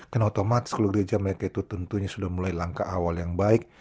karena otomatis kalau gereja mereka itu tentunya sudah mulai langkah awal yang baik